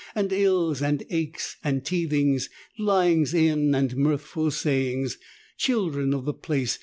And ills and aches, and teethings, lyings in. And mirthful sayings, children of the place.